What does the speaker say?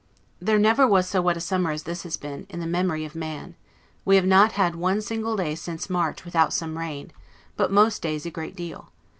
There never was so wet a summer as this has been, in the memory of man; we have not had one single day, since March, without some rain; but most days a great deal.